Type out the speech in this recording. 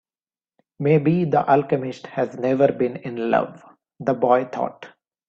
Maybe the alchemist has never been in love, the boy thought.